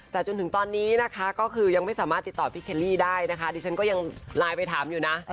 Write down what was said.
แต่จนถึงตอนนี้นะคะก็คือยังไม่สามารถติดต่อพี่เคลลี่ได้นะคะดิฉันก็ยังไลน์ไปถามอยู่นะ